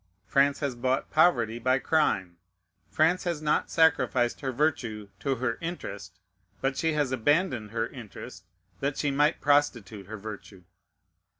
France has bought poverty by crime. France has not sacrificed her virtue to her interest; but she has abandoned her interest, that she might prostitute her virtue.